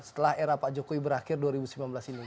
setelah era pak jokowi berakhir dua ribu sembilan belas ini